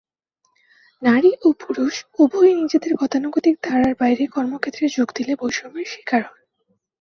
নারী ও পুরুষ উভয়ই নিজেদের গতানুগতিক ধারার বাইরে কর্মক্ষেত্রে যোগ দিলে বৈষম্যের শিকার হন।